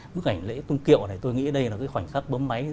bức ảnh lễ tung kiệu này tôi nghĩ đây là khoảnh khắc bấm máy